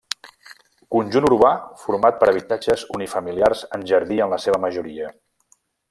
Conjunt urbà format per habitatges unifamiliars amb jardí en la seva majoria.